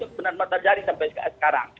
itu benar benar terjadi sampai sekarang